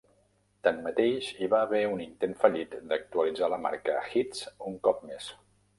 Tanmateix, hi va haver un intent fallit d'actualitzar la marca "Hits" un cop més.